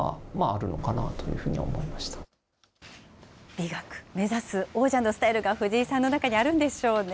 美学、目指す王者のスタイルが藤井さんの中にあるんでしょうね。